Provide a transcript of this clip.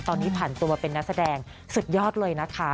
ตอนนี้ผ่านตัวมาเป็นนักแสดงสุดยอดเลยนะคะ